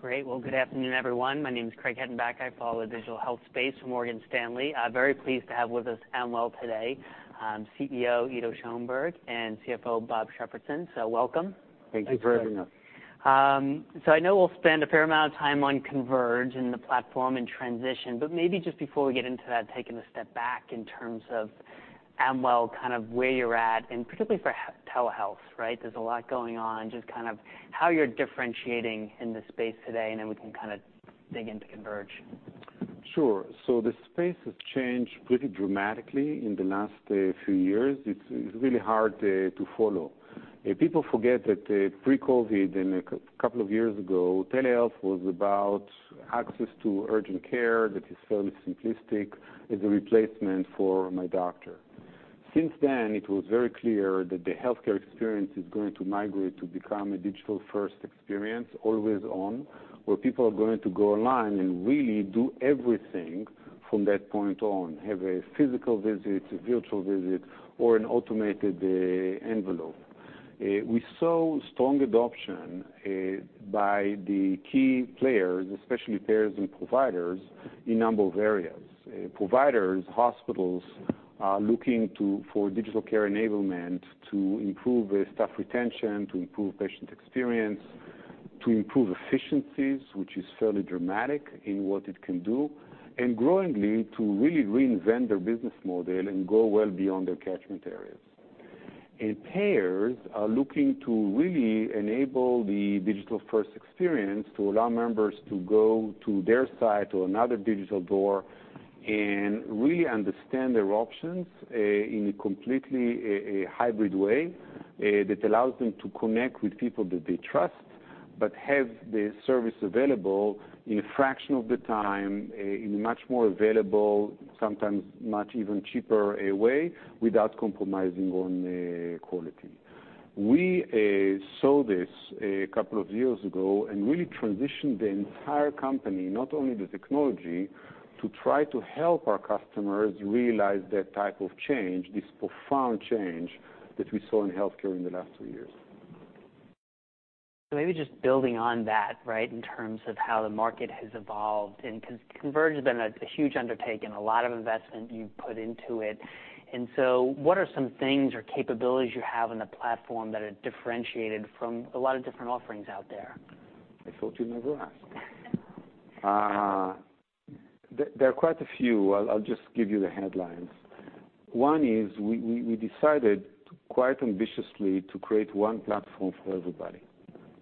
Great! Well, good afternoon, everyone. My name is Craig Hettenbach. I follow the digital health space for Morgan Stanley. I'm very pleased to have with us Amwell today, CEO Ido Schoenberg, and CFO Bob Shepardson. So welcome. Thank you for having us. So, I know we'll spend a fair amount of time on Converge, and the platform, and transition, but maybe just before we get into that, taking a step back in terms of Amwell, kind of where you're at, and particularly for telehealth, right? There's a lot going on. Just kind of how you're differentiating in this space today, and then we can kinda dig into Converge. Sure. So the space has changed pretty dramatically in the last few years. It's really hard to follow. People forget that, pre-COVID, and a couple of years ago, telehealth was about access to urgent care that is fairly simplistic, as a replacement for my doctor. Since then, it was very clear that the healthcare experience is going to migrate to become a digital-first experience, always on, where people are going to go online and really do everything from that point on, have a physical visit, a virtual visit, or an automated envelope. We saw strong adoption by the key players, especially payers and providers, in a number of areas. Providers, hospitals, are looking to for digital care enablement to improve, staff retention, to improve patient experience, to improve efficiencies, which is fairly dramatic in what it can do, and growingly, to really reinvent their business model and go well beyond their catchment areas. And payers are looking to really enable the digital-first experience, to allow members to go to their site or another digital door and really understand their options, in a completely, hybrid way, that allows them to connect with people that they trust, but have the service available in a fraction of the time, in a much more available, sometimes much even cheaper, way, without compromising on, quality. We saw this a couple of years ago and really transitioned the entire company, not only the technology, to try to help our customers realize that type of change, this profound change, that we saw in healthcare in the last two years. So maybe just building on that, right, in terms of how the market has evolved, and Converge has been a huge undertaking, a lot of investment you've put into it. And so what are some things or capabilities you have in the platform that are differentiated from a lot of different offerings out there? I thought you'd never ask. There are quite a few. I'll just give you the headlines. One is, we decided, quite ambitiously, to create one platform for everybody.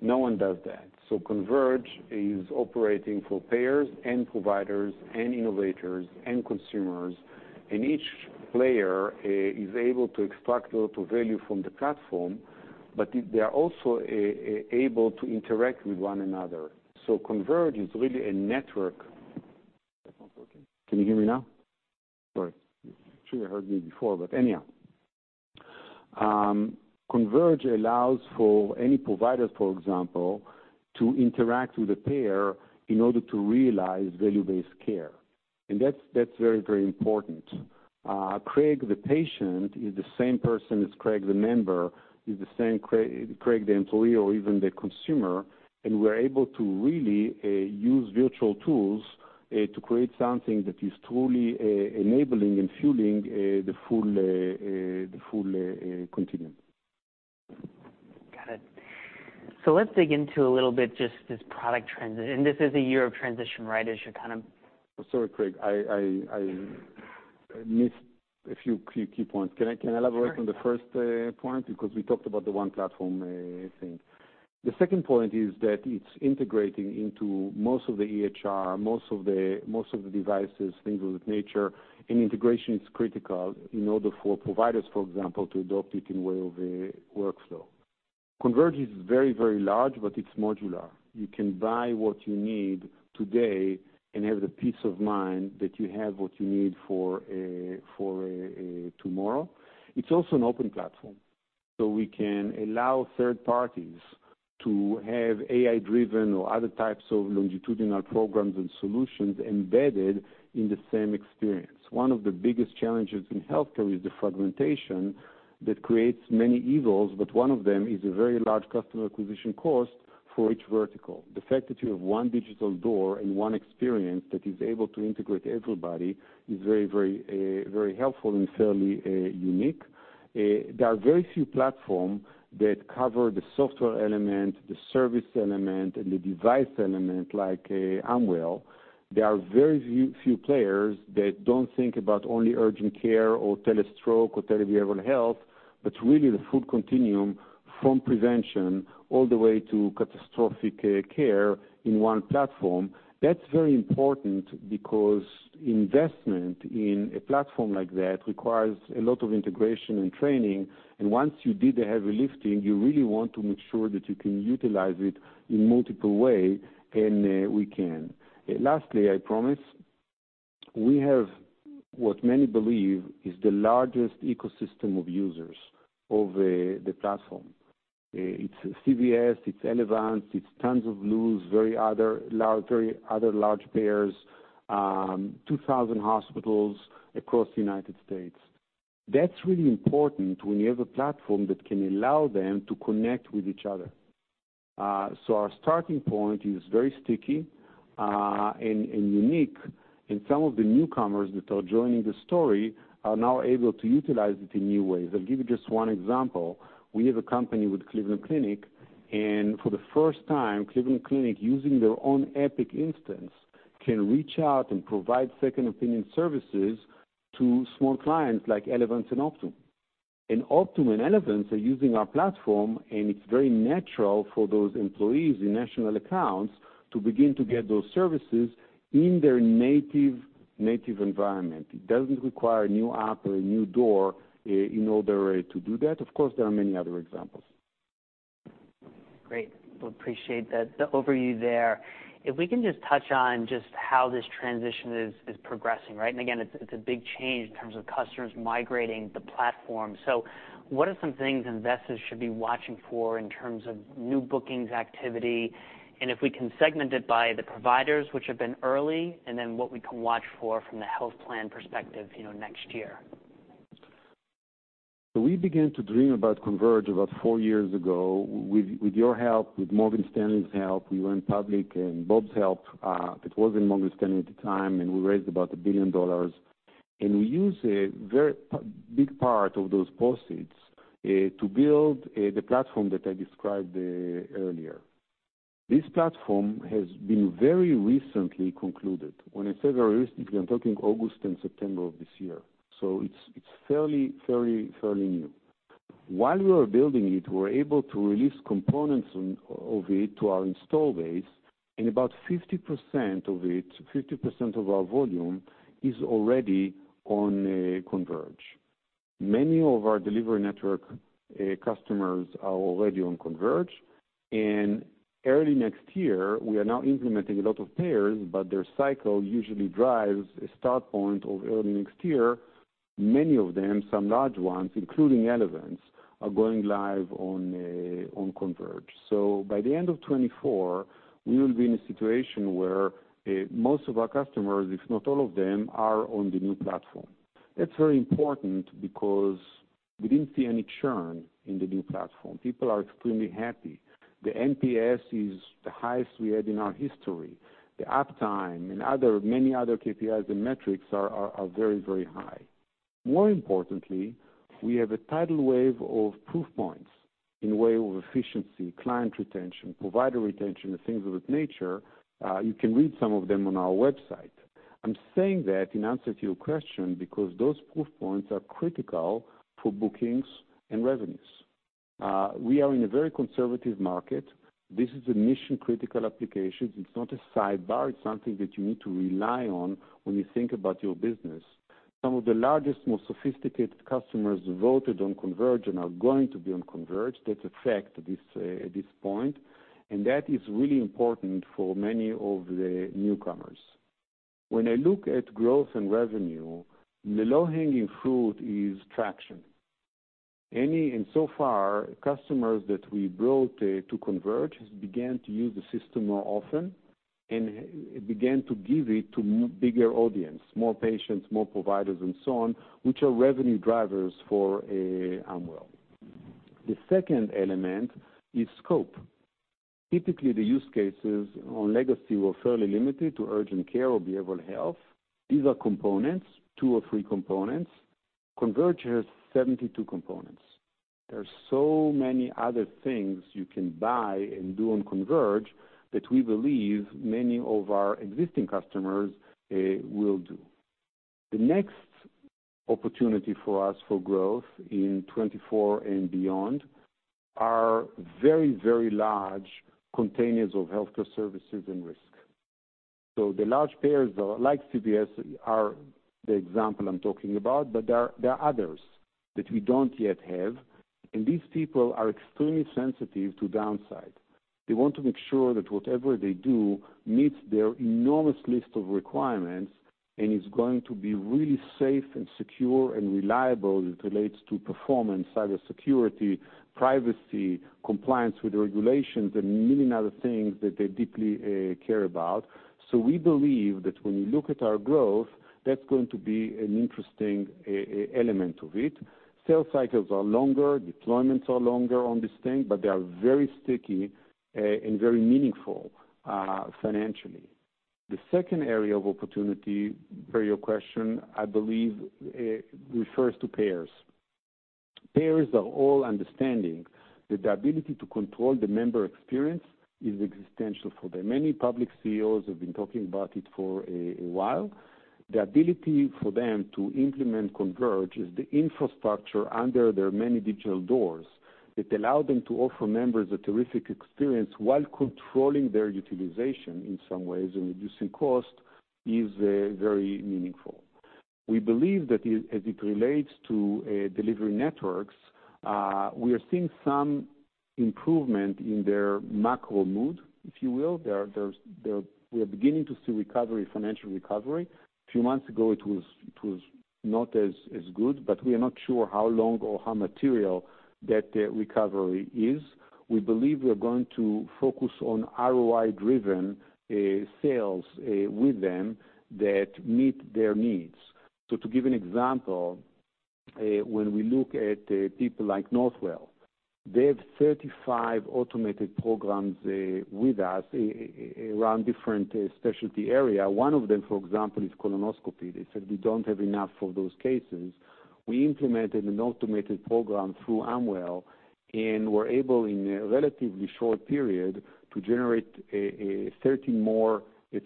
No one does that. So Converge is operating for payers, and providers, and innovators, and consumers, and each player is able to extract a lot of value from the platform, but they are also able to interact with one another. So Converge is really a network... That's not working. Can you hear me now? Sorry. I'm sure you heard me before, but anyhow. Converge allows for any provider, for example, to interact with a payer in order to realize value-based care, and that's very, very important. Craig, the patient is the same person as Craig the member, is the same Craig, Craig the employee or even the consumer, and we're able to really use virtual tools to create something that is truly enabling and fueling the full continuum. Got it. So let's dig into a little bit just this product transition. This is a year of transition, right? As you're kind of- Sorry, Craig, I missed a few key points. Can I- Sure. Can I elaborate on the first point? Because we talked about the one platform thing. The second point is that it's integrating into most of the EHR, most of the devices, things of that nature. And integration is critical in order for providers, for example, to adopt it in way of a workflow. Converge is very, very large, but it's modular. You can buy what you need today and have the peace of mind that you have what you need for a tomorrow. It's also an open platform, so we can allow third parties to have AI-driven or other types of longitudinal programs and solutions embedded in the same experience. One of the biggest challenges in healthcare is the fragmentation that creates many evils, but one of them is a very large customer acquisition cost for each vertical. The fact that you have one digital door and one experience that is able to integrate everybody is very, very, very helpful and fairly unique. There are very few platform that cover the software element, the service element, and the device element like Amwell. There are very few, few players that don't think about only urgent care, or Telestroke, or Telebehavioral Health, but really the full continuum from prevention all the way to catastrophic care in one platform. That's very important because investment in a platform like that requires a lot of integration and training, and once you did the heavy lifting, you really want to make sure that you can utilize it in multiple way, and we can. Lastly, I promise, we have what many believe is the largest ecosystem of users of the platform. It's CVS, it's Elevance, it's tons of Blues, various other large payers, 2,000 hospitals across the United States. That's really important when you have a platform that can allow them to connect with each other. So our starting point is very sticky, and unique, and some of the newcomers that are joining the story are now able to utilize it in new ways. I'll give you just one example. We have a company with Cleveland Clinic, and for the first time, Cleveland Clinic, using their own Epic instance, can reach out and provide second opinion services to small clients like Elevance and Optum. Optum and Elevance are using our platform, and it's very natural for those employees in national accounts to begin to get those services in their native environment. It doesn't require a new app or a new door, in order to do that. Of course, there are many other examples. Great. Well, appreciate that, the overview there. If we can just touch on just how this transition is progressing, right? And again, it's a big change in terms of customers migrating the platform. So what are some things investors should be watching for in terms of new bookings activity? And if we can segment it by the providers, which have been early, and then what we can watch for from the health plan perspective, you know, next year. So we began to dream about Converge about 4 years ago. With, with your help, with Morgan Stanley's help, we went public, and Bob's help, it was in Morgan Stanley at the time, and we raised about $1 billion. And we used a very big part of those proceeds to build the platform that I described earlier. This platform has been very recently concluded. When I say very recently, I'm talking August and September of this year, so it's, it's fairly, fairly, fairly new. While we were building it, we were able to release components of it to our install base, and about 50% of it, 50% of our volume is already on Converge. Many of our delivery network customers are already on Converge, and early next year, we are now implementing a lot of payers, but their cycle usually drives a start point of early next year. Many of them, some large ones, including Elevance, are going live on Converge. So by the end of 2024, we will be in a situation where most of our customers, if not all of them, are on the new platform. That's very important because we didn't see any churn in the new platform. People are extremely happy. The NPS is the highest we had in our history. The uptime and other many other KPIs and metrics are very, very high. More importantly, we have a tidal wave of proof points in way of efficiency, client retention, provider retention, and things of that nature. You can read some of them on our website. I'm saying that in answer to your question, because those proof points are critical for bookings and revenues. We are in a very conservative market. This is a mission-critical application. It's not a sidebar. It's something that you need to rely on when you think about your business. Some of the largest, most sophisticated customers voted on Converge and are going to be on Converge. That's a fact, this, at this point, and that is really important for many of the newcomers. When I look at growth and revenue, the low-hanging fruit is traction. Any, and so far, customers that we brought to Converge began to use the system more often and began to give it to bigger audience, more patients, more providers and so on, which are revenue drivers for, Amwell. The second element is scope. Typically, the use cases on legacy were fairly limited to urgent care or behavioral health. These are components, two or three components. Converge has 72 components. There are so many other things you can buy and do on Converge, that we believe many of our existing customers will do. The next opportunity for us for growth in 2024 and beyond are very, very large containers of healthcare services and risk. So the large payers, like CVS, are the example I'm talking about, but there are others that we don't yet have, and these people are extremely sensitive to downside. They want to make sure that whatever they do meets their enormous list of requirements and is going to be really safe and secure and reliable as it relates to performance, cybersecurity, privacy, compliance with regulations, and a million other things that they deeply care about. So we believe that when we look at our growth, that's going to be an interesting element of it. Sales cycles are longer, deployments are longer on this thing, but they are very sticky and very meaningful financially. The second area of opportunity for your question, I believe, refers to payers. Payers are all understanding that the ability to control the member experience is existential for them. Many public CEOs have been talking about it for a while. The ability for them to implement Converge is the infrastructure under their many digital doors that allow them to offer members a terrific experience while controlling their utilization in some ways, and reducing cost is very meaningful. We believe that as it relates to delivery networks, we are seeing some improvement in their macro mood, if you will. We are beginning to see recovery, financial recovery. A few months ago, it was not as good, but we are not sure how long or how material that recovery is. We believe we are going to focus on ROI-driven sales with them that meet their needs. So to give an example, when we look at people like Northwell, they have 35 automated programs with us around different specialty area. One of them, for example, is colonoscopy. They said we don't have enough of those cases. We implemented an automated program through Amwell, and we're able, in a relatively short period, to generate 800 more use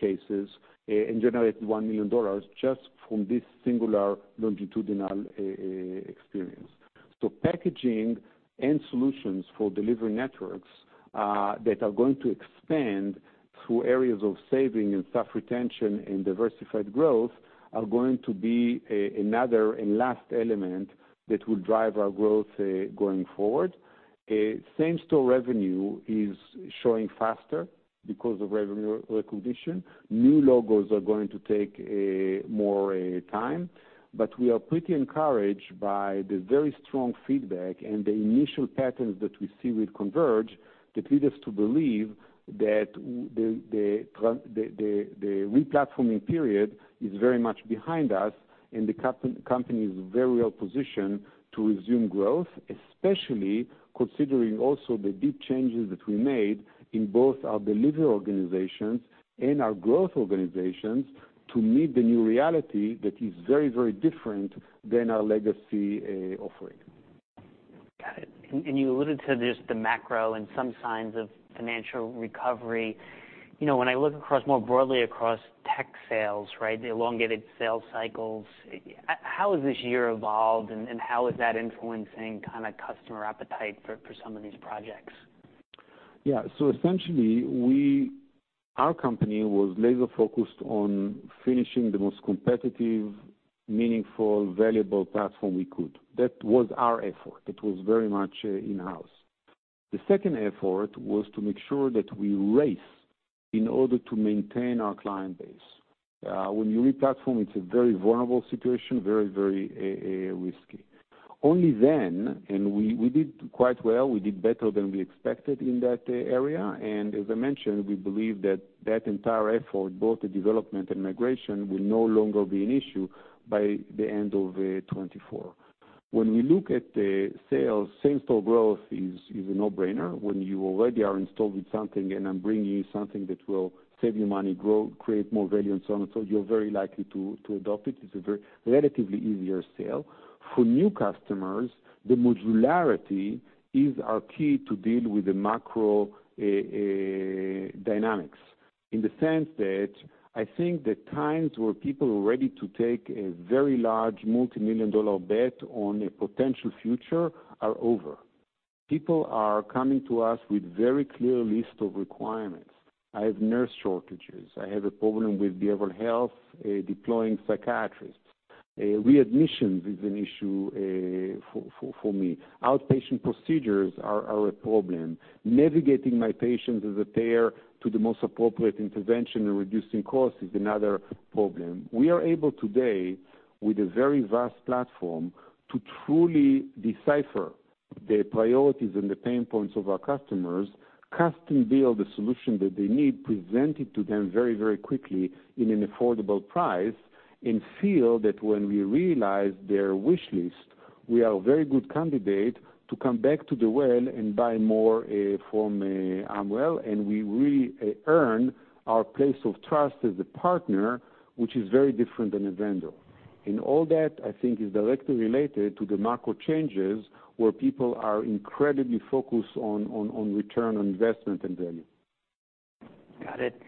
cases and generate $1 million just from this singular longitudinal experience. So packaging and solutions for delivery networks that are going to expand through areas of saving and staff retention and diversified growth are going to be another and last element that will drive our growth going forward. Same-store revenue is showing faster because of revenue recognition. New logos are going to take more time, but we are pretty encouraged by the very strong feedback and the initial patterns that we see with Converge, that lead us to believe that the replatforming period is very much behind us, and the company is very well positioned to resume growth, especially considering also the deep changes that we made in both our delivery organizations and our growth organizations to meet the new reality that is very, very different than our legacy offering. Got it. And you alluded to this, the macro and some signs of financial recovery. You know, when I look across more broadly across tech sales, right, the elongated sales cycles, how has this year evolved, and how is that influencing kind of customer appetite for some of these projects? Yeah. So essentially, our company was laser-focused on finishing the most competitive, meaningful, valuable platform we could. That was our effort. It was very much in-house. The second effort was to make sure that we race in order to maintain our client base. When you replatform, it's a very vulnerable situation, very, very risky. Only then, and we did quite well, we did better than we expected in that area, and as I mentioned, we believe that that entire effort, both the development and migration, will no longer be an issue by the end of 2024. When we look at the sales, same-store growth is a no-brainer. When you already are installed with something and I'm bringing you something that will save you money, grow, create more value, and so on and so, you're very likely to adopt it. It's a very relatively easier sale. For new customers, the modularity is our key to deal with the macro dynamics, in the sense that I think the times where people are ready to take a very large, multimillion-dollar bet on a potential future are over. People are coming to us with very clear list of requirements. I have nurse shortages. I have a problem with behavioral health deploying psychiatrists. Readmissions is an issue for me. Outpatient procedures are a problem. Navigating my patients as a payer to the most appropriate intervention and reducing costs is another problem. We are able today, with a very vast platform, to truly decipher the priorities and the pain points of our customers, custom build the solution that they need, present it to them very, very quickly in an affordable price, and feel that when we realize their wish list, we are a very good candidate to come back to the well and buy more, from, Amwell, and we really, earn our place of trust as a partner, which is very different than a vendor. All that, I think, is directly related to the macro changes, where people are incredibly focused on return on investment and value. Got it.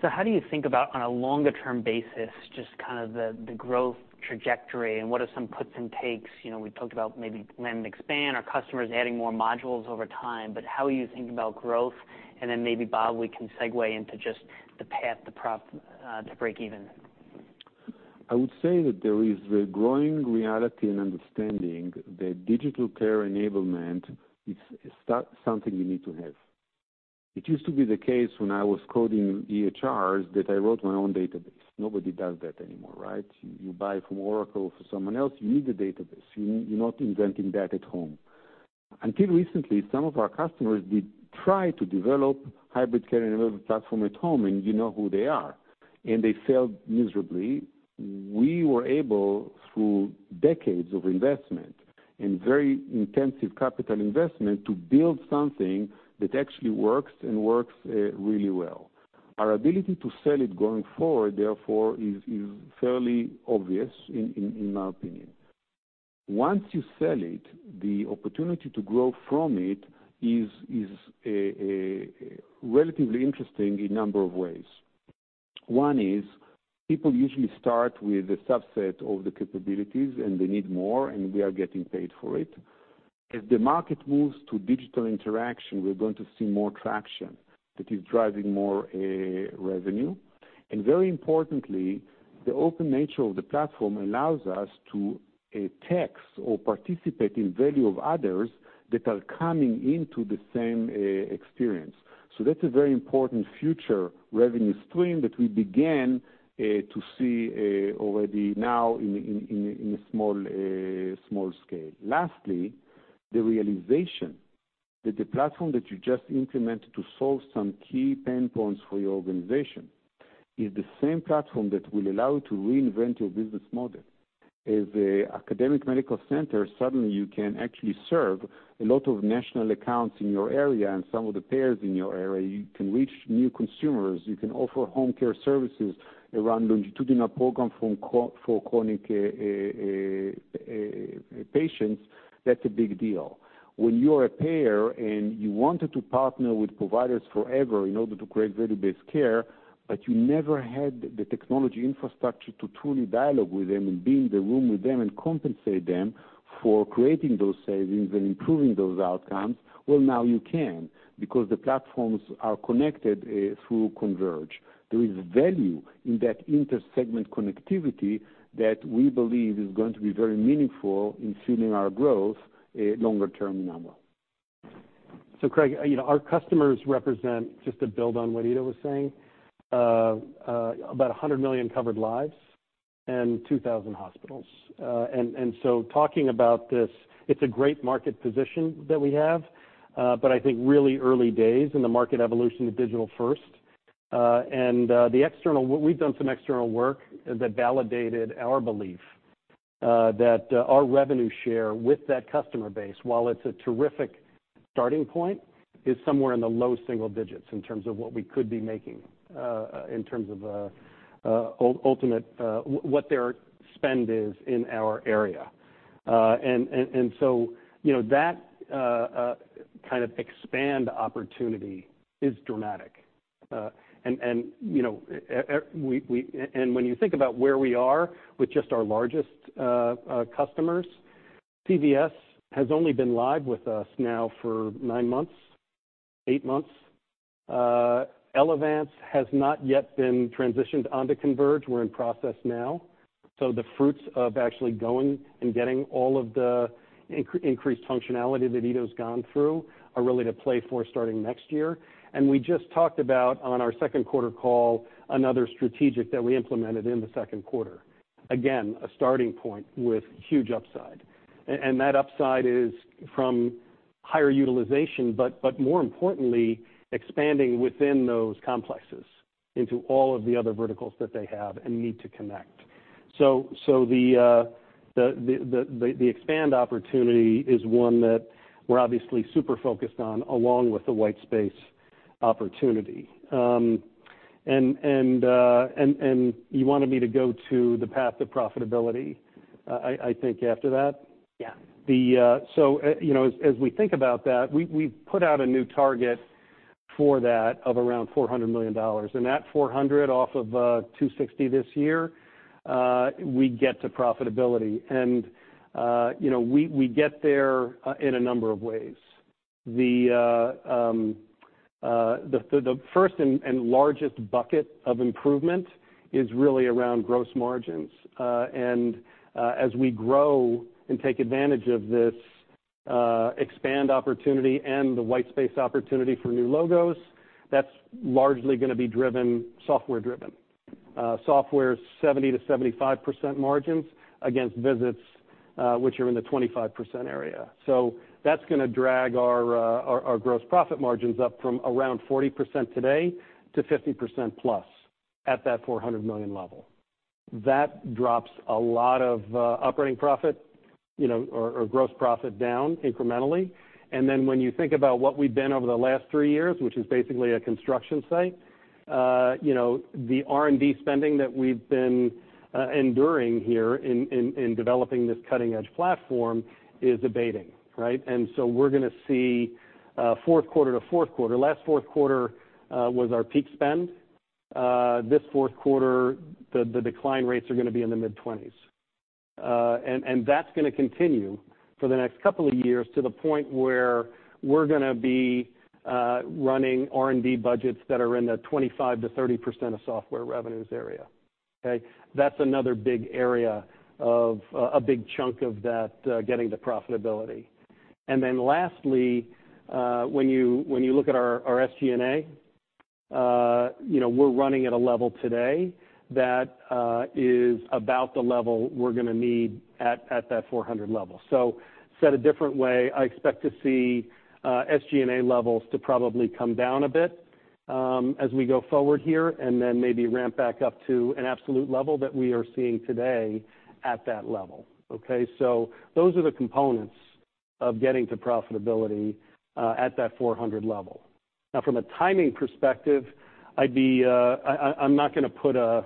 So how do you think about, on a longer-term basis, just kind of the growth trajectory and what are some puts and takes? You know, we talked about maybe land and expand, our customers adding more modules over time, but how are you thinking about growth? And then maybe, Bob, we can segue into just the path to prof- to break even. I would say that there is a growing reality and understanding that digital care enablement is something you need to have. It used to be the case when I was coding EHRs, that I wrote my own database. Nobody does that anymore, right? You buy from Oracle, from someone else. You need a database. You're not inventing that at home. Until recently, some of our customers did try to develop hybrid care enablement platform at home, and you know who they are, and they failed miserably. We were able, through decades of investment and very intensive capital investment, to build something that actually works and works really well. Our ability to sell it going forward, therefore, is fairly obvious in my opinion. Once you sell it, the opportunity to grow from it is a relatively interesting in number of ways. One is, people usually start with a subset of the capabilities, and they need more, and we are getting paid for it. As the market moves to digital interaction, we're going to see more traction that is driving more revenue. And very importantly, the open nature of the platform allows us to tax or participate in value of others that are coming into the same experience. So that's a very important future revenue stream that we began to see already now in a small scale. Lastly, the realization that the platform that you just implemented to solve some key pain points for your organization is the same platform that will allow you to reinvent your business model. As an academic medical center, suddenly you can actually serve a lot of national accounts in your area and some of the payers in your area. You can reach new consumers, you can offer home care services around longitudinal program for chronic patients. That's a big deal. When you're a payer and you wanted to partner with providers forever in order to create value-based care, but you never had the technology infrastructure to truly dialogue with them and be in the room with them and compensate them for creating those savings and improving those outcomes, well, now you can, because the platforms are connected through Converge. There is value in that intersegment connectivity that we believe is going to be very meaningful in fueling our growth longer term, now. So Craig, you know, our customers represent, just to build on what Ido was saying, about 100 million covered lives and 2,000 hospitals. And so talking about this, it's a great market position that we have, but I think really early days in the market evolution of digital first. We've done some external work that validated our belief, that our revenue share with that customer base, while it's a terrific starting point, is somewhere in the low single digits in terms of what we could be making, in terms of ultimate what their spend is in our area. And so, you know, that kind of expansion opportunity is dramatic. And, you know, we, we-- And when you think about where we are with just our largest, you know, customers, CVS has only been live with us now for nine months, eight months. Elevance has not yet been transitioned onto Converge. We're in process now. So the fruits of actually going and getting all of the increased functionality that Ido's gone through are really to play for starting next year. We just talked about, on our Q2 call, another strategic that we implemented in the Q2. Again, a starting point with huge upside. And that upside is from higher utilization, but, more importantly, expanding within those complexes into all of the other verticals that they have and need to connect. So the expand opportunity is one that we're obviously super focused on, along with the white space opportunity. And you wanted me to go to the path to profitability, I think after that? Yeah. So, you know, as we think about that, we've put out a new target for that of around $400 million. That $400 million off of $260 million this year, we get to profitability. You know, we get there in a number of ways. The first and largest bucket of improvement is really around gross margins. As we grow and take advantage of this expanded opportunity and the white space opportunity for new logos, that's largely gonna be software-driven. Software is 70%-75% margins against visits, which are in the 25% area. That's gonna drag our gross profit margins up from around 40% today to 50%+ at that $400 million level. That drops a lot of operating profit, you know, or gross profit down incrementally. And then when you think about what we've been over the last three years, which is basically a construction site, you know, the R&D spending that we've been enduring here in developing this cutting-edge platform is abating, right? And so we're gonna see Q4 to Q4. Last Q4 was our peak spend. This Q4, the decline rates are gonna be in the mid-20s. And that's gonna continue for the next couple of years to the point where we're gonna be running R&D budgets that are in the 25%-30% of software revenues area. Okay? That's another big area of a big chunk of that getting to profitability. And then lastly, when you, when you look at our, our SG&A, you know, we're running at a level today that is about the level we're gonna need at that 400 level. So said a different way, I expect to see SG&A levels to probably come down a bit as we go forward here, and then maybe ramp back up to an absolute level that we are seeing today at that level. Okay, so those are the components of getting to profitability at that 400 level. Now, from a timing perspective, I'd be, I'm not gonna put a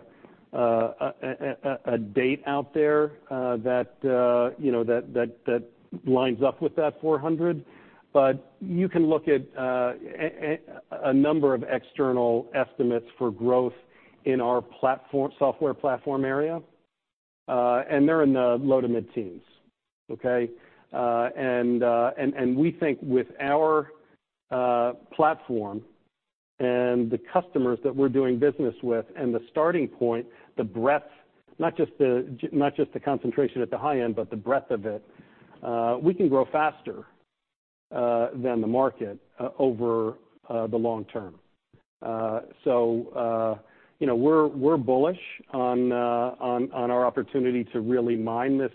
date out there, you know, that lines up with that $400, but you can look at a number of external estimates for growth in our platform, software platform area, and they're in the low- to mid-teens, okay? And we think with our platform and the customers that we're doing business with and the starting point, the breadth, not just the concentration at the high end, but the breadth of it, we can grow faster than the market over the long term. So, you know, we're bullish on our opportunity to really mine this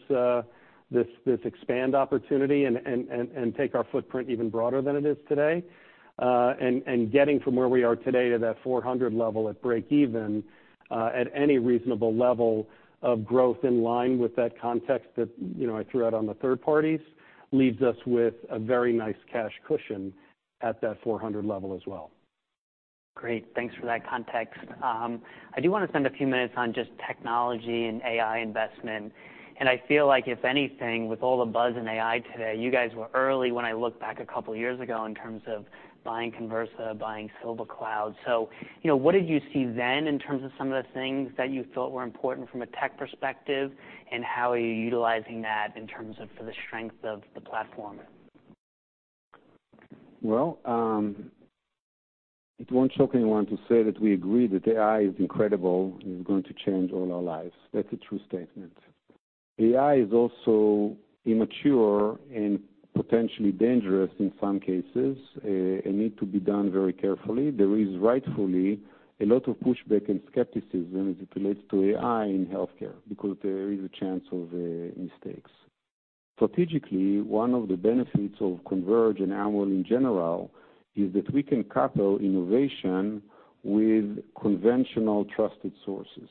expand opportunity and take our footprint even broader than it is today. And getting from where we are today to that 400 level at break even, at any reasonable level of growth in line with that context that, you know, I threw out on the third parties, leaves us with a very nice cash cushion at that 400 level as well. Great, thanks for that context. I do wanna spend a few minutes on just technology and AI investment, and I feel like, if anything, with all the buzz in AI today, you guys were early when I looked back a couple of years ago in terms of buying Conversa, buying SilverCloud. So, you know, what did you see then in terms of some of the things that you thought were important from a tech perspective, and how are you utilizing that in terms of for the strength of the platform? Well, it won't shock anyone to say that we agree that AI is incredible and is going to change all our lives. That's a true statement. AI is also immature and potentially dangerous in some cases, and need to be done very carefully. There is rightfully a lot of pushback and skepticism as it relates to AI in healthcare, because there is a chance of mistakes. Strategically, one of the benefits of Converge and Amwell in general, is that we can couple innovation with conventional trusted sources.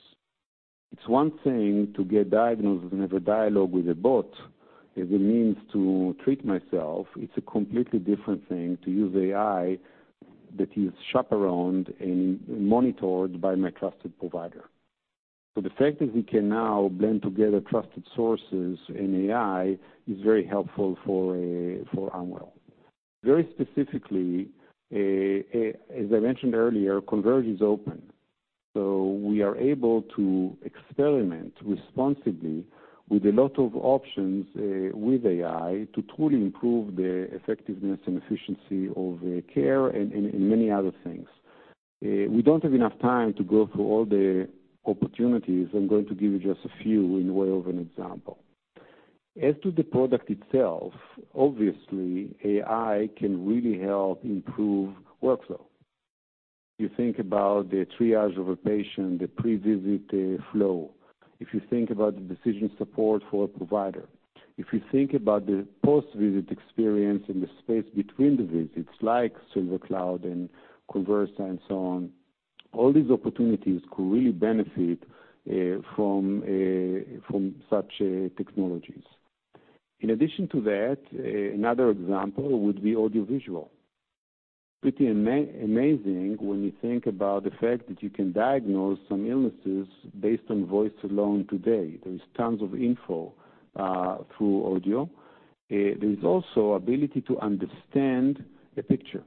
It's one thing to get diagnosed and have a dialogue with a bot as a means to treat myself. It's a completely different thing to use AI that is chaperoned and monitored by my trusted provider. So the fact that we can now blend together trusted sources and AI, is very helpful for Amwell. Very specifically, as I mentioned earlier, Converge is open. So we are able to experiment responsibly with a lot of options, with AI, to truly improve the effectiveness and efficiency of care and many other things. We don't have enough time to go through all the opportunities. I'm going to give you just a few in way of an example. As to the product itself, obviously, AI can really help improve workflow. You think about the triage of a patient, the pre-visit flow, if you think about the decision support for a provider, if you think about the post-visit experience and the space between the visits, like SilverCloud and Conversa and so on, all these opportunities could really benefit from such technologies. In addition to that, another example would be audio-visual. Pretty amazing when you think about the fact that you can diagnose some illnesses based on voice alone today. There is tons of info through audio. There's also ability to understand a picture.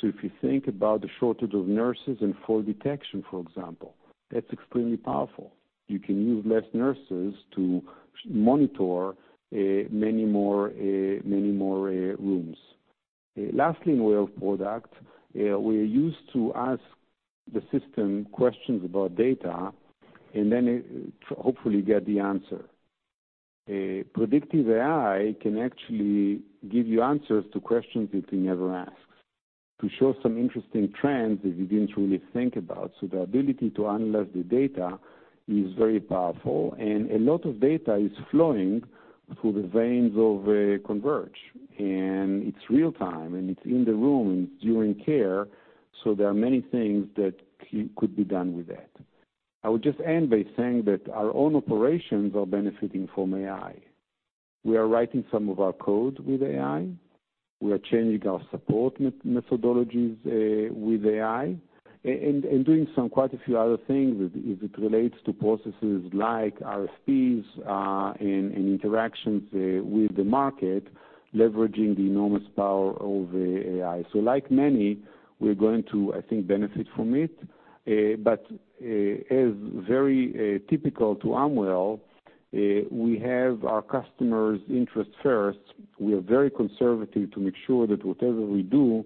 So if you think about the shortage of nurses and fall detection, for example, that's extremely powerful. You can use less nurses to monitor many more rooms. Lastly, in way of product, we are used to ask the system questions about data and then, hopefully, get the answer. A predictive AI can actually give you answers to questions you can never ask, to show some interesting trends that you didn't really think about. So the ability to analyze the data is very powerful, and a lot of data is flowing through the veins of Converge, and it's real-time, and it's in the room during care. So there are many things that could be done with that. I would just end by saying that our own operations are benefiting from AI. We are writing some of our code with AI. We are changing our support methodologies with AI, and doing some quite a few other things as it relates to processes like RFPs, and interactions with the market, leveraging the enormous power of AI. So like many, we're going to, I think, benefit from it. But as very typical to Amwell, we have our customers' interests first. We are very conservative to make sure that whatever we do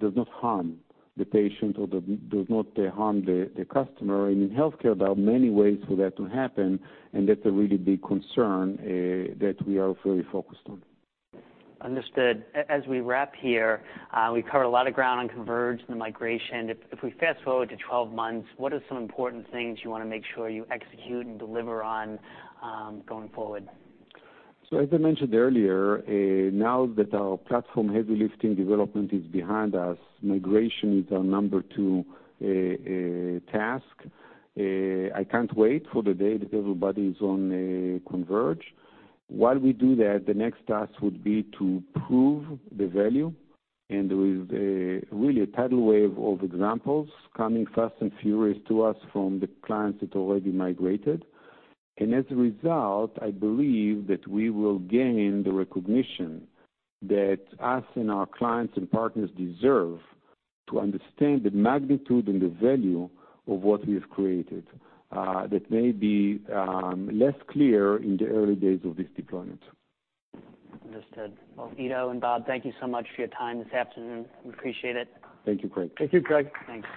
does not harm the patient or does not harm the customer. And in healthcare, there are many ways for that to happen, and that's a really big concern that we are very focused on. Understood. As we wrap here, we've covered a lot of ground on Converge and the migration. If we fast-forward to 12 months, what are some important things you wanna make sure you execute and deliver on, going forward? So, as I mentioned earlier, now that our platform heavy lifting development is behind us, migration is our number 2 task. I can't wait for the day that everybody is on Converge. While we do that, the next task would be to prove the value, and there is really a tidal wave of examples coming fast and furious to us from the clients that already migrated. And as a result, I believe that we will gain the recognition that us and our clients and partners deserve to understand the magnitude and the value of what we've created, that may be less clear in the early days of this deployment. Understood. Well, Ido and Bob, thank you so much for your time this afternoon. We appreciate it. Thank you, Craig. Thank you, Craig. Thanks.